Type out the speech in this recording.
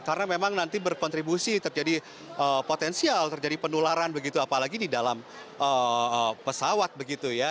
karena memang nanti berkontribusi terjadi potensial terjadi penularan begitu apalagi di dalam pesawat begitu ya